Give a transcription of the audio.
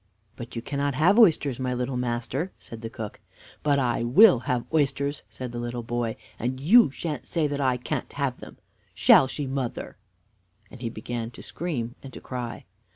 "But you cannot have oysters, my little master," said the cook. "But I will have oysters," said the little boy, "and you shan't say that I can't have them shall she, mother?" And he began to scream and to cry.